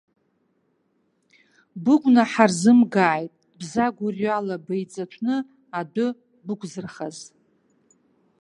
Быгәнаҳа рзымгааит, бзагәырҩала беиҵаҭәны адәы бықәзырхаз!